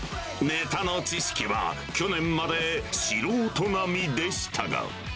ネタの知識は、去年まで素人並みでしたが。